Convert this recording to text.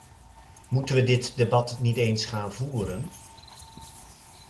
Moeten we dit debat niet eens gaan voeren?